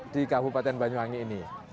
di kabupaten banyuwangi ini